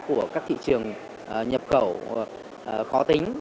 của các thị trường nhập khẩu khó tính